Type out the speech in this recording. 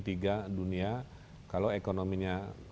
tiga dunia kalau ekonominya